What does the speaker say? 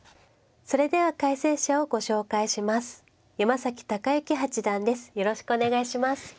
それでは解説者をご紹介します。